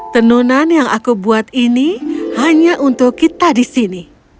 tenunan yang aku buat ini hanya untuk kita di sini